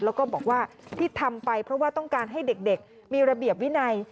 แล้วก็บอกว่าที่ทำไปเพราะว่าต้องการให้เด็กมีระเบียบวินัย